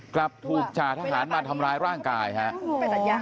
กลับถูกจ่าทหารมาทำร้ายร่างกายฮะ